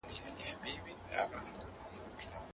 صنعت مخکي پرمختګ کړی و.